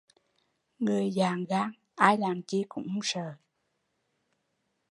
Người dạn gan ai làm chi cũng không sợ